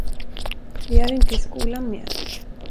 Vi är inte i skolan mer.